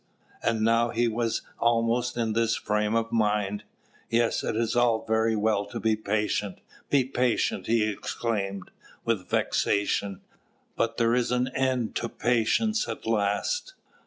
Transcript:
And now he was almost in this frame of mind. "Yes, it is all very well, to be patient, be patient!" he exclaimed, with vexation; "but there is an end to patience at last.